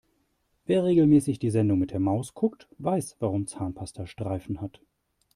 Wer regelmäßig die Sendung mit der Maus guckt, weiß warum Zahnpasta Streifen hat.